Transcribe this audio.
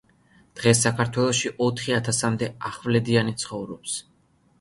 დღეს საქართველოში ოთხი ათასამდე ახვლედიანი ცხოვრობს.